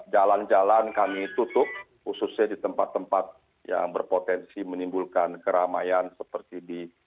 jalan jalan kami tutup khususnya di tempat tempat yang berpotensi menimbulkan keramaian seperti di